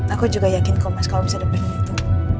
aku juga yakin kau mas kamu bisa dapetin itu